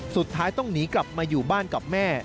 สุดท้ายต้องหนีกลับมาอยู่บ้านกับแม่